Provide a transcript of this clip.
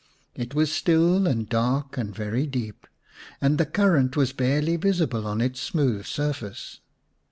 It was still and dark and very deep, and the current was barely visible on its smooth surface.